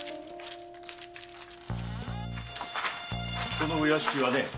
このお屋敷はね